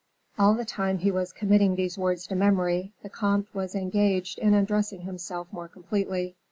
All the time he was committing these words to memory, the comte was engaged in undressing himself more completely.